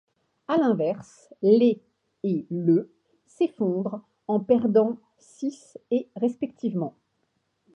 À l'inverse, les et le s'effondrent en perdant six et respectivement.